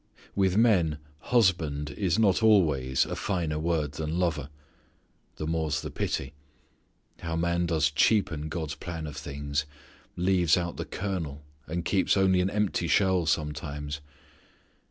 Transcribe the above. With men husband is not always a finer word than lover. The more's the pity. How man does cheapen God's plan of things; leaves out the kernel, and keeps only an empty shell sometimes.